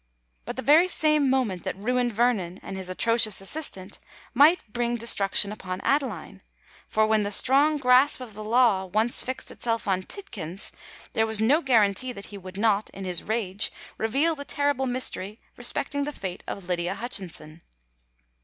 But the very same moment that ruined Vernon and his atrocious assistant, might bring destruction upon Adeline; for when the strong grasp of the law once fixed itself on Tidkins, there was no guarantee that he would not, in his rage, reveal the terrible mystery respecting the fate of Lydia Hutchinson.